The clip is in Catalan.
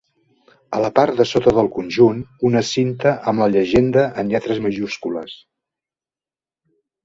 A la part de sota del conjunt, una cinta amb la llegenda en lletres majúscules.